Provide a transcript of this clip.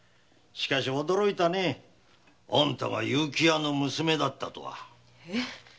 しかし驚いたねあんたが結城屋の娘だったとは。